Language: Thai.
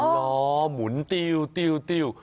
ล้อหมุนติว